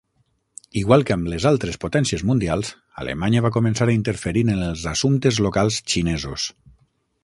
Igual que amb les altres potències mundials, Alemanya va començar a interferir en els assumptes locals xinesos.